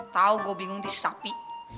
tahu gue bingung tuh si sapi